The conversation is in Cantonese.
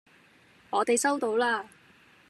我哋收到啦